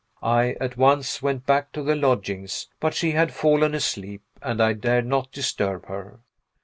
I at once went back to the lodgings, but she had fallen asleep, and I dared not disturb her.